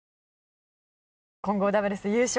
混合ダブルス優勝